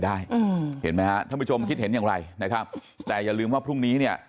เห็นไหมฮะท่านผู้ชมคิดเห็นอย่างไรนะครับแต่อย่าลืมว่าพรุ่งนี้เนี่ย